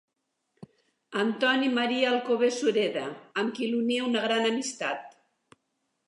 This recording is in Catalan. Antoni Maria Alcover Sureda, amb qui l'unia una gran amistat.